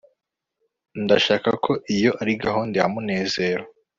ndashaka ko iyo ari gahunda ya munezero